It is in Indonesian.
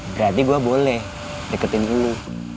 berarti gue boleh deketin dulu